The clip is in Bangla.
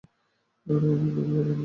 আরে আমি কিভাবে জানবো?